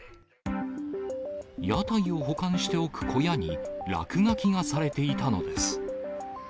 屋台を保管しておく小屋に、落書きがされていたのです。